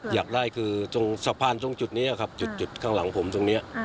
อยากได้สะพานจุดนี้ครับจุดข้างหลังผมจุดนี้